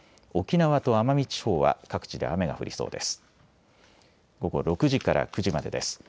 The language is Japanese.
沖縄と奄美地方は各地で雨が降りそうです。